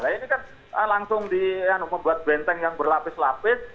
nah ini kan langsung di yang nombor buat benteng yang berlapis lapis